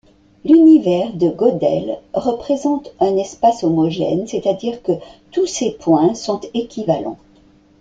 L'univers de Gödel représente un espace homogène, c'est-à-dire que tous ses points sont équivalents.